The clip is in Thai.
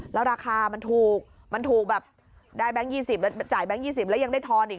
แล้วราคามันถูกมันถูกแบบได้แบงค์๒๐แล้วจ่ายแบงค์๒๐แล้วยังได้ทอนอีก